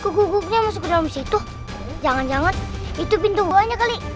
cek ngekuknya masuk ke dalam situ jangan jangan itu pintu buahnya kali